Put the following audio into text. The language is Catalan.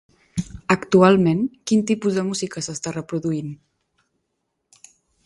Actualment quin tipus de música s'està reproduint?